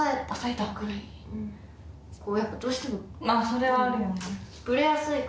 それはあるよね。